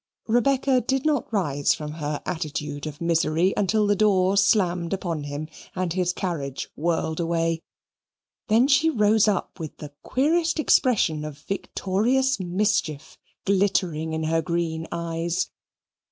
Rebecca did not rise from her attitude of misery until the door slammed upon him and his carriage whirled away. Then she rose up with the queerest expression of victorious mischief glittering in her green eyes.